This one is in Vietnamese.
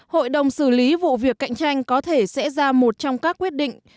hội đồng xử lý vụ việc cạnh tranh có thể sẽ ra một trong các quyết định